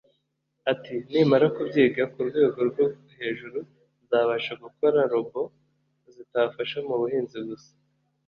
Ati ”Nimara kubyiga ku rwego rwo hejuru nzabasha gukora robot zitafasha mu buhinzi gusa